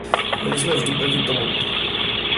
Byli jsme vždy proti tomu.